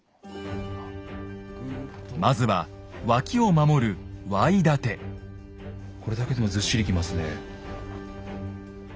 まずは脇を守るこれだけでもずっしりきますね。